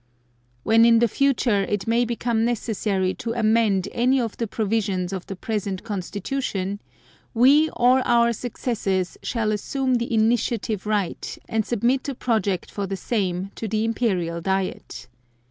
When in the future it may become necessary to amend any of the provisions of the present Constitution, We or Our successors shall assume the initiative right, and submit a project for the same to the Imperial Diet.